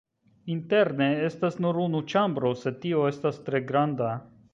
Interne estas nur unu ĉambro, sed tio estas tre granda.